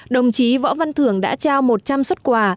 đồng chí võ văn thưởng đã trao một trăm linh xuất quà